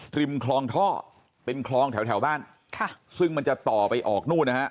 ริมคลองท่อเป็นคลองแถวแถวบ้านค่ะซึ่งมันจะต่อไปออกนู่นนะฮะ